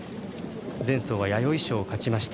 前走は弥生賞を勝ちました。